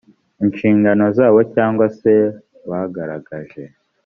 inshingano zabo cyangwa se bagaragaje